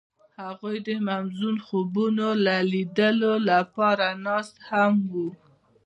هغوی د موزون خوبونو د لیدلو لپاره ناست هم وو.